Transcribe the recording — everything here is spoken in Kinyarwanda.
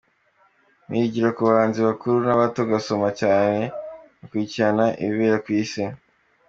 Nigira ku bahanzi bakuru n’abato, ngasoma cyane, ngakurikirana ibibera ku Isi.